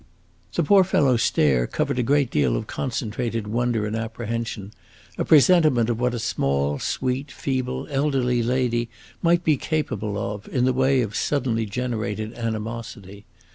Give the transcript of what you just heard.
The poor fellow's stare covered a great deal of concentrated wonder and apprehension a presentiment of what a small, sweet, feeble, elderly lady might be capable of, in the way of suddenly generated animosity.